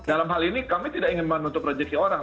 dalam hal ini kami tidak ingin menutup rejeksi orang